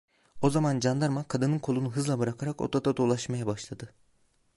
O zaman candarma, kadının kolunu hızla bırakarak odada dolaşmaya başladı.